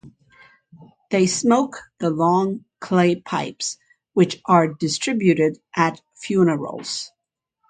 They smoke the long clay pipes which are distributed at funerals.